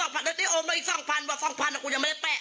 แล้วนี่โมโหมาอีก๒๐๐๐ว่า๒๐๐๐แล้วกูยังไม่ได้แป๊ก